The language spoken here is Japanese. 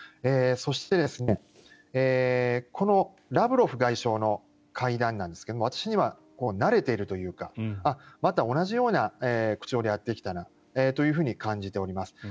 そして、ラブロフ外相の会談なんですが私には慣れているというかまた同じような口調でやってきたなと感じております。